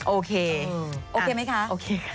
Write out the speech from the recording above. โอเคโอเคไหมคะโอเค